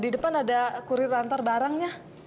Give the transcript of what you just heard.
di depan ada kurir antar barangnya